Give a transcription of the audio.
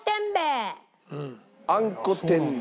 あんこ天米。